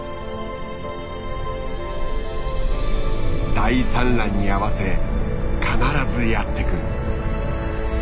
大産卵に合わせ必ずやって来る。